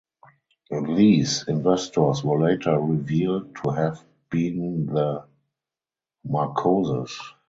These investors were later revealed to have been the Marcoses.